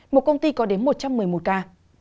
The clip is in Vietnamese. một công ty có đến một trăm một mươi một ca